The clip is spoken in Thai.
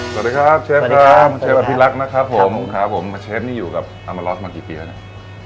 สวัสดีครับเชฟครับเชฟอภิรักษ์นะครับผมครับผมเชฟนี่อยู่กับอามารอสมากี่ปีแล้วเนี่ย